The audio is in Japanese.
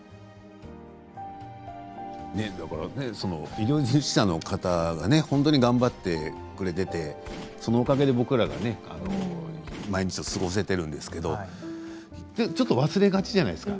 医療従事者の方がこんなに頑張ってくれていてそのおかげで僕らが毎日を過ごせているんですけれど忘れがちじゃないですか？